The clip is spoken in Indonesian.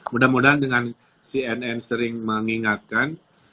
mudah mudahan dengan cnn sering mengingatkan